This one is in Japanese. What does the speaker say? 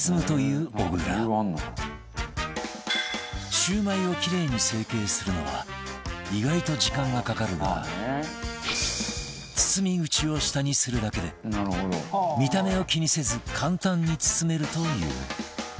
シュウマイをキレイに成形するのは意外と時間がかかるが包み口を下にするだけで見た目を気にせず簡単に包めるという